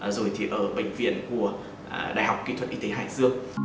rồi thì ở bệnh viện của đại học kỹ thuật y tế hải dương